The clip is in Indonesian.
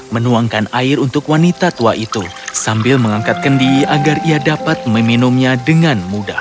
menuangkan air untuk wanita tua itu sambil mengangkat kendi agar ia dapat meminumnya dengan mudah